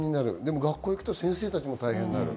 学校に行くと先生も大変になる。